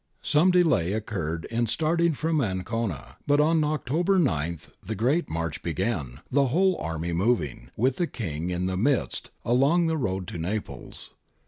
Some delay occurred in starting from Ancona, but on October 9 the great march began, the whole army moving, with the King in the midst, along the road to Naples.